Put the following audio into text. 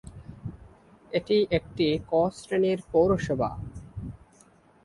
এটি একটি "ক" শ্রেণির পৌরসভা।